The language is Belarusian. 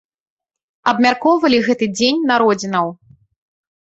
Абмяркоўвалі гэты дзень народзінаў.